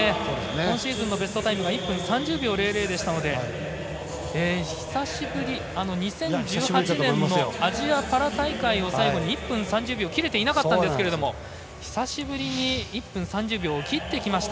今シーズンのベストが１分３０秒００でしたので久しぶり、２０１８年のアジアパラ大会を最後に１分３０秒を切れていなかったんですけど久しぶりに１分３０秒を切ってきました。